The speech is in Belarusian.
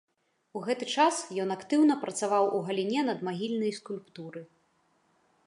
У гэты час ён актыўна працаваў у галіне надмагільнай скульптуры.